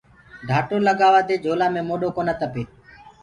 ڍآٽو لگآوآ دي جھولآ مي موڏو تپي ڪونآ۔